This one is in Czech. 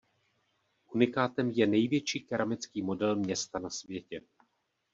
Unikátem je největší keramický model města na světě.